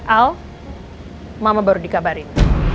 al mama baru dikabarin